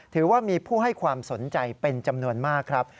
ถือว่ามีผู้ให้ความสนใจเป็นจำนวนมากครับ